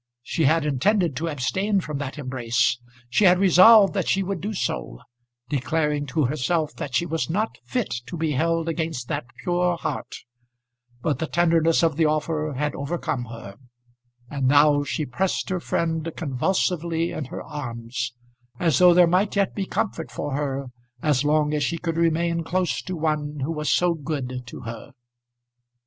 She had intended to abstain from that embrace; she had resolved that she would do so, declaring to herself that she was not fit to be held against that pure heart; but the tenderness of the offer had overcome her; and now she pressed her friend convulsively in her arms, as though there might yet be comfort for her as long as she could remain close to one who was so good to her.